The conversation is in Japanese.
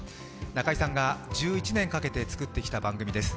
中居さんが１１年かけてつくってきた番組です。